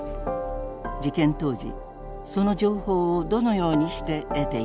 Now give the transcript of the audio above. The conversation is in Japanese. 事件当時その情報をどのようにして得ていたのか。